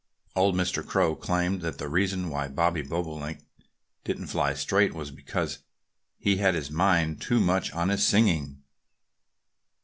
Old Mr. Crow claimed that the reason why Bobby Bobolink didn't fly straight was because he had his mind too much on his singing.